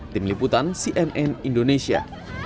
tim liputan cnn indonesia